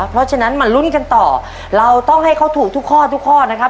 เพราะฉะนั้นมาลุ้นกันต่อเราต้องให้เขาถูกทุกข้อทุกข้อนะครับ